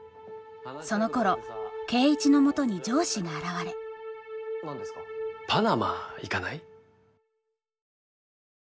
そのころ圭一のもとに上司が現れパナマ行かない？